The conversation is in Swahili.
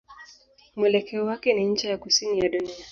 Mwelekeo wake ni ncha ya kusini ya dunia.